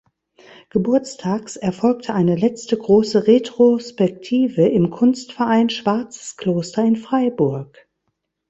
Geburtstags erfolgte eine letzte große Retrospektive im Kunstverein „Schwarzes Kloster“ in Freiburg.